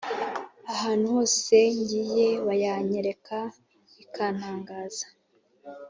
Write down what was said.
ahantu hose ngiye bayanyereka bikantangaza